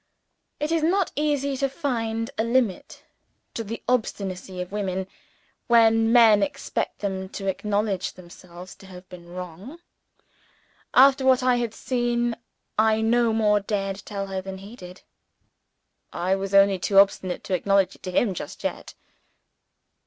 It is not easy to find a limit to the obstinacy of women when men expect them to acknowledge themselves to have been wrong. After what I had seen, I no more dared tell her than he did. I was only too obstinate to acknowledge it to him just yet.